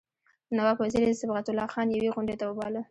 نواب وزیر صبغت الله خان یوې غونډې ته وباله.